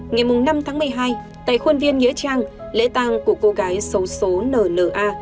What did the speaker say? ngày năm tháng một mươi hai tại khuôn viên nghĩa trang lễ tàng của cô gái xấu xố nna